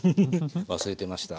忘れてました。